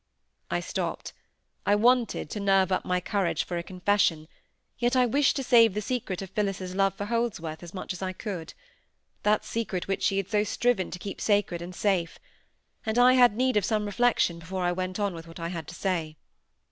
I stopped; I wanted to nerve up my courage for a confession, yet I wished to save the secret of Phillis's love for Holdsworth as much as I could; that secret which she had so striven to keep sacred and safe; and I had need of some reflection before I went on with what I had to say.